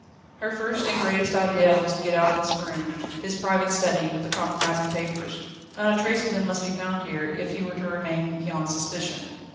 Her first and greatest idea was to get out of this room, his private study, with the compromising papers. Not a trace of them must be found here, if he were to remain beyond suspicion.